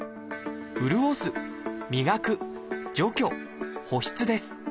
「潤す」「磨く」「除去」「保湿」です。